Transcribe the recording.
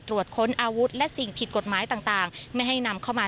ค้นอาวุธและสิ่งผิดกฎหมายต่างไม่ให้นำเข้ามา